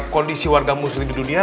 kondisi warga muslim di dunia